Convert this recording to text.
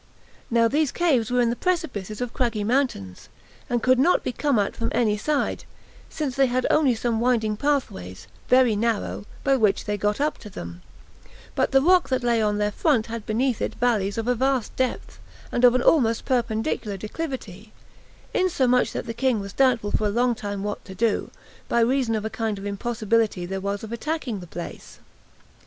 Now these caves were in the precipices of craggy mountains, and could not be come at from any side, since they had only some winding pathways, very narrow, by which they got up to them; but the rock that lay on their front had beneath it valleys of a vast depth, and of an almost perpendicular declivity; insomuch that the king was doubtful for a long time what to do, by reason of a kind of impossibility there was of attacking the place.